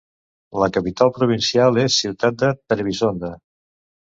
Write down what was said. La capital provincial és ciutat de Trebisonda.